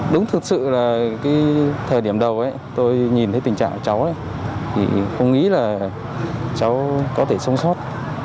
đúng thực sự là thời điểm đầu tôi nhìn thấy tình trạng của cháu không nghĩ là cháu có thể sống sót